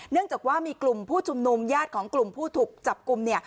เนื่องจากว่ามีกลุ่มผู้ชุมนุมญาติของกลุ่มผู้ถูกจับกลุ่มเนี่ย